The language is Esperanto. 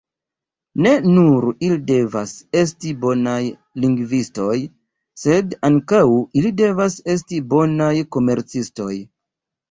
Ne nur ili devas esti bonaj lingvistoj, sed ankaŭ ili devas esti bonaj komercistoj.